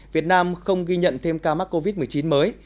việt nam không ghi nhận thêm ca mắc covid một mươi chín mới